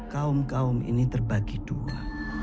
kaum kaum ini terbagi dua